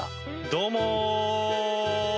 どうも。